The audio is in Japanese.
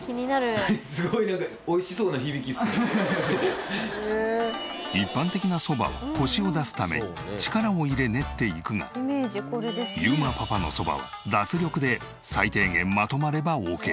すごいなんか一般的なそばはコシを出すため力を入れ練っていくが裕磨パパのそばは脱力で最低限まとまればオーケー。